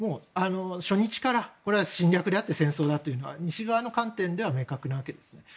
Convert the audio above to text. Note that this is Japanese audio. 初日から侵略であって戦争だというのは西側の観点では明確なわけですね。